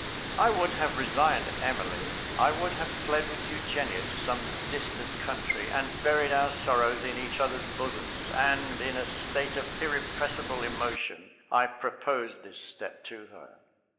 I would have resigned Emily, I would have fled with Eugenia to some distant country, and buried our sorrows in each other's bosoms; and, in a state of irrepressible emotion, I proposed this step to her.